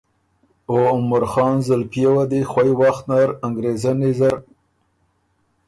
او عمرخان زلپئے وه دی خوئ وخت نر انګرېزنی زر